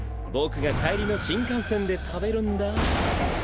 僕が帰りの新幹線で食べるんだ。